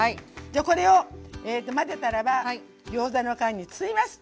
じゃあこれを混ぜたらばギョーザの皮に包みます！